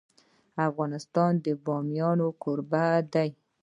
افغانستان د بامیان کوربه دی.